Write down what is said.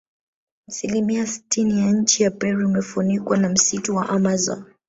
Asilimia sitini ya nchi ya Peru imefunikwa na msitu wa Amazon